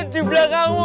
ada di belakangmu